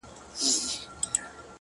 ستا غمونه ستا دردونه زما بدن خوري ؛